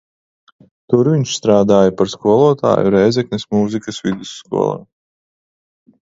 Tur viņš strādāja par skolotāju Rēzeknes mūzikas vidusskolā.